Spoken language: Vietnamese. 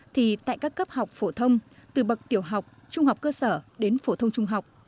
thì tại các cấp học phổ thông từ bậc tiểu học trung học cơ sở đến phổ thông trung học